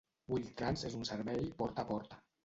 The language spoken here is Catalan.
Wheel-Trans és un servei porta a porta.